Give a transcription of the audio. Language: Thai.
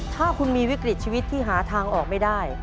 ถ้าคุณมีวิกฤตชีวิตที่หาทางออกไม่ได้